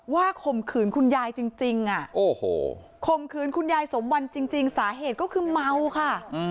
ว่าคมขืนคุณยายจริงจริงอ่ะโอ้โหคมขืนคุณยายสมวันจริงจริงสาเหตุก็คือเมาค่ะ